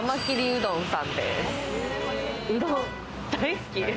うどん大好きで。